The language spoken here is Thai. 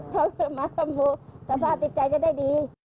พอมาทำโบสถ์สภาพติดใจจะได้ดี